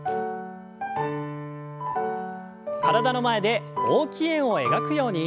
体の前で大きい円を描くように。